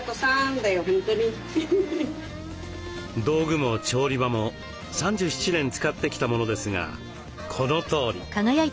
道具も調理場も３７年使ってきたものですがこのとおり。